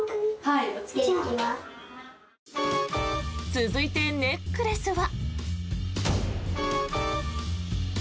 続いて、ネックレスは。